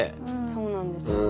そうなんですよ。